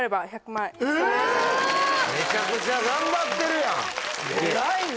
めちゃくちゃ頑張ってるやん偉いね！